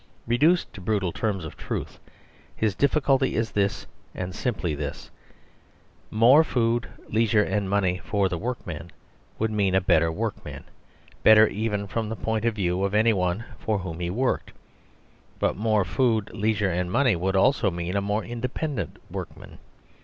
Reduced to brutal terms of truth, his difficulty is this and simply this: More food, leisure, and money for the workman would mean a better workman, better even from the point of view of anyone for whom he worked. But more food, leisure, and money would also mean a more independent workman.